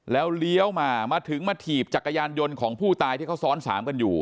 แล้วเลี้ยวมามาถึงมาถีบจักรยานยนต์ของผู้ตายที่เขาซ้อนสามกันอยู่